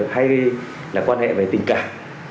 hay quan hệ về tình cảm